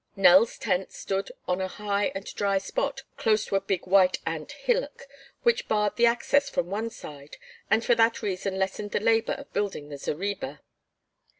Nell's tent stood on a high and dry spot close to a big white ant hillock, which barred the access from one side and for that reason lessened the labor of building the zareba.